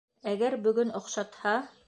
Әгәр бөгөн оҡшатһа...